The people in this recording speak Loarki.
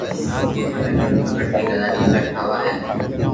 مني گھٽ ۾ گھت ايڪ ھزار جملا ٺاوا ھي